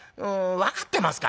分かってますか？」。